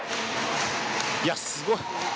いや、すごい。